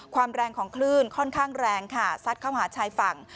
แรงของคลื่นค่อนข้างแรงค่ะซัดเข้าหาชายฝั่ง